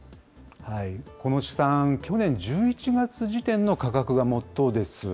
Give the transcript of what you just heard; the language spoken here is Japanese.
この試算、去年１１月時点の価格がもとです。